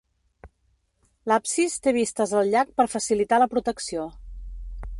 L'absis té vistes al llac per facilitar la protecció.